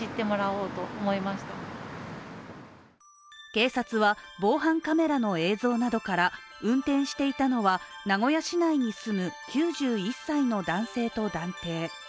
警察は防犯カメラの映像などから運転していたのは名古屋市内に住む９１歳の男性と断定。